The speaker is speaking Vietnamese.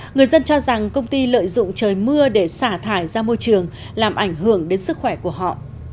người dân cho rằng công ty lợi dụng trời mưa để xả thải ra môi trường làm ảnh hưởng đến sức khỏe của họ